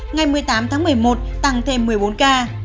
ngày một mươi tám tháng một mươi một tăng thêm một mươi bốn ca